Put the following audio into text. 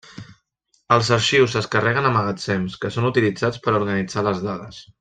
Els arxius es carreguen a magatzems, que són utilitzats per a organitzar les dades.